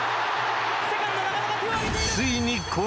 セカンド、中野が手を挙げている！